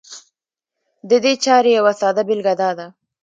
د دې چارې يوه ساده بېلګه دا ده